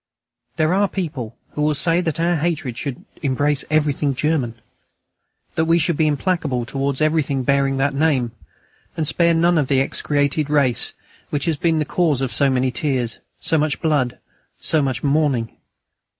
There are people who will say that our hatred should embrace everything German; that we should be implacable towards everything bearing that name, and spare none of the execrated race which has been the cause of so many tears, so much blood, so much mourning.